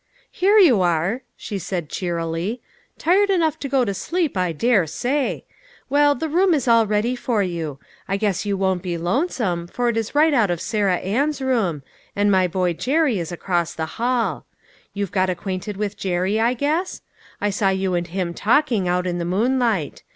" Here you are," she said cheerily, " tired enough to go to sleep, I dare say. Well, the room is all ready for you. I guess you won't be lonesome, for it is right out of Sarah Ann's room, and my boy Jerry is across the hall. You've got acquainted with Jerry, I guess ? I saw you and him talking, out in the moonlight.